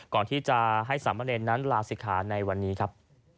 ก่อนที่จะให้สามเณรนั้นลาศิกขาในวันนี้ครับ